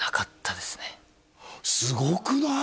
すごくない？